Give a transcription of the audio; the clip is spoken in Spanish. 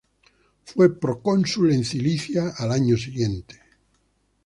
Fue procónsul en Cilicia al año siguiente.